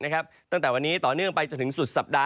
ตั้งแต่วันนี้ต่อเนื่องไปจนถึงสุดสัปดาห